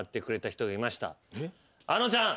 あのちゃん。